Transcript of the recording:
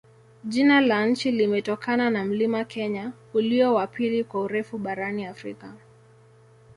Jina la nchi limetokana na mlima Kenya, ulio wa pili kwa urefu barani Afrika.